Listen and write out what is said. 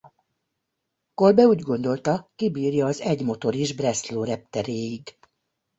Kolbe úgy gondolta kibírja az egy motor is Breslau repteréig.